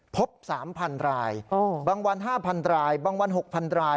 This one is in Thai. พบ๓๐๐๐รายบางวัน๕๐๐รายบางวัน๖๐๐ราย